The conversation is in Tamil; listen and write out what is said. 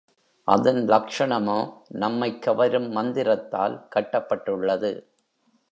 அதன் லக்ஷணமோ நம்மைக் கவரும் மந்திரத்தால் கட்டப்பட்டுள்ளது.